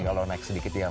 kalau naik sedikit ya